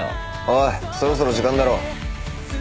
おいそろそろ時間だろ。